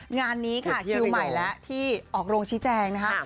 งานนี้ค่ะคิวใหม่แล้วที่ออกโรงชี้แจงนะคะ